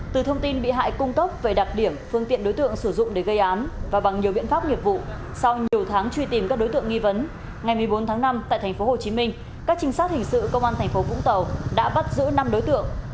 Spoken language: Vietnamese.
từ thông tin bị hại cung tốc về đặc điểm phương tiện đối tượng sử dụng để gây án và bằng nhiều biện pháp nghiệp vụ sau nhiều tháng truy tìm các đối tượng nghi vấn ngày một mươi bốn tháng năm tại tp hcm các trinh sát hình sự công an tp vũng tàu đã bắt giữ năm đối tượng